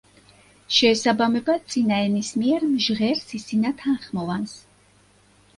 შეესაბამება წინაენისმიერ მჟღერ სისინა თანხმოვანს.